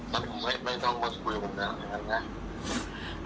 มันไม่ต้องมาคุยกับผมกันนะ